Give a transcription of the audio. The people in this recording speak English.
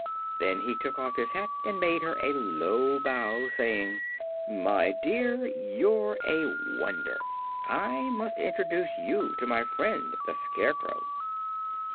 Then he took off his hat and made her a low bow, saying: "My dear, you're a wonder. I must introduce you to my friend the Scarecrow."